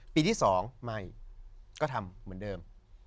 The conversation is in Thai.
ปีที่๒ไม่ก็ทำเหมือนเดิม